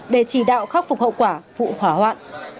để chỉ đạo khắc phục hậu quả vụ hỏa hoạn